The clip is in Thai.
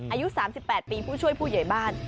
อายุ๓๘ปีผู้ช่วยผู้ใหญ่บ้าน